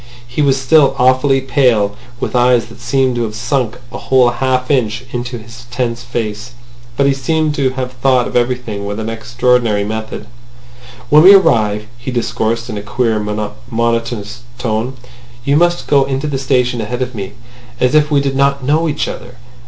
He was still awfully pale, with eyes that seemed to have sunk a whole half inch into his tense face. But he seemed to have thought of everything with extraordinary method. "When we arrive," he discoursed in a queer, monotonous tone, "you must go into the station ahead of me, as if we did not know each other.